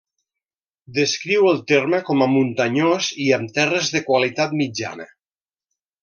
Descriu el terme com a muntanyós i amb terres de qualitat mitjana.